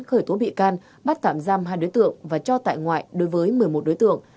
khởi tố bị can bắt tạm giam hai đối tượng và cho tại ngoại đối với một mươi một đối tượng